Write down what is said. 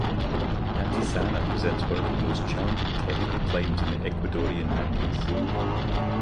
Antisana presents one of the most challenging technical climbs in the Ecuadorian Andes.